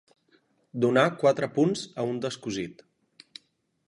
Donar quatre punts a un descosit.